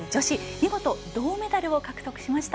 見事銅メダルを獲得しました。